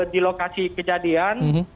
di lokasi kejadian